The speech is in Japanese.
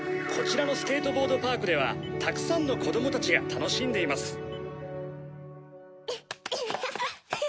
「こちらのスケートボードパークではたくさんの子供たちが楽しんでいます」